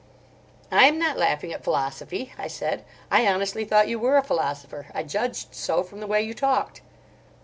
"I am not laughing at philosophy," I said. "I honestly thought you were a philosopher. I judged so from the way you talked."